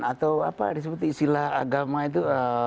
atau apa disebut istilah agama itu